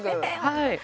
はい。